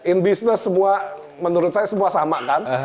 in business semua menurut saya semua sama kan